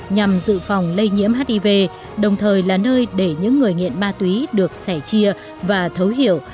nhằm dự phòng lây nhiễm hiv đồng thời là nơi để những người nghiện ma túy được sẻ chia và thấu hiểu